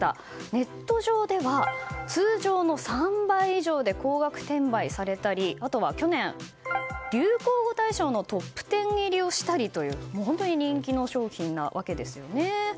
ネット上では通常の３倍以上で高額転売されたりあとは去年、流行語大賞のトップ１０入りをしたりという本当に人気の商品なわけですよね。